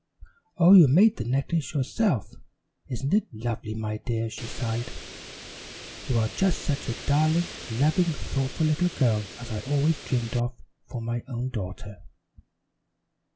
"Oh, you made the necklace yourself? Isn't it lovely, my dear?" she sighed. "You are just such a darling, loving, thoughtful little girl as I always dreamed of for my own daughter."